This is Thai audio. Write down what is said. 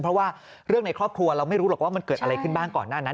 เพราะว่าเรื่องในครอบครัวเราไม่รู้หรอกว่ามันเกิดอะไรขึ้นบ้างก่อนหน้านั้น